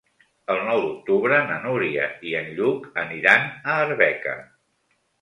El nou d'octubre na Núria i en Lluc aniran a Arbeca.